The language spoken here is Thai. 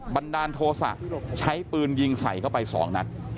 บันดาลโทษะใช้ปืนยิงใส่เข้าไป๒นัด